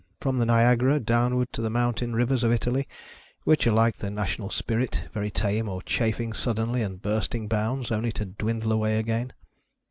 From the Niagara, downward to the mountain rivers of Italy, which are like the national spirit — very tame, or chafing suddenly and bursting bounds, only to dwindle away again.